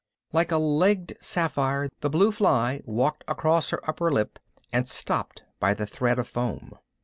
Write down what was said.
'" Like a legged sapphire the blue fly walked across her upper lip and stopped by the thread of foam.